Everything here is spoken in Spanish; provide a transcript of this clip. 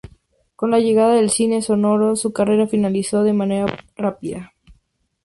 Con la llegada del cine sonoro su carrera finalizó de manera rápida.